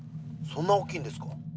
そんな大きいんですか。